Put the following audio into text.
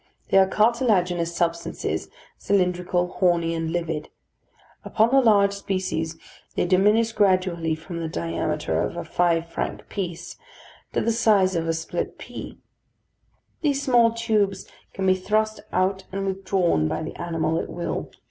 They are cartilaginous substances, cylindrical, horny, and livid. Upon the large species they diminish gradually from the diameter of a five franc piece to the size of a split pea. These small tubes can be thrust out and withdrawn by the animal at will.